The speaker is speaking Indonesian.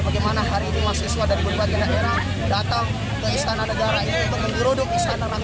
di mana hari ini mahasiswa dari berbagai daerah datang ke istana negara ini untuk menggeruduk istana rakyat ini